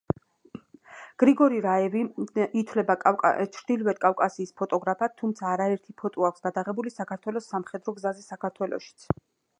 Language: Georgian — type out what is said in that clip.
გრიგორი რაევი ითვლება ჩრდილოკავკასიის ფოტოგრაფად, თუმცა არაერთი ფოტო აქვს გადაღებული საქართველოს სამხედრო გზაზე საქართველოშიც.